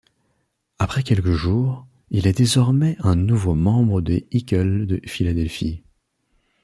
Après quelques jours, il est désormais un nouveau membre des Eagles de Philadelphie.